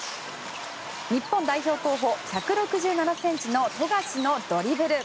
日本代表候補１６７ｃｍの富樫のドリブル。